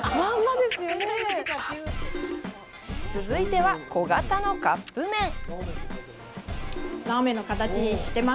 続いては、小型のカップ麺。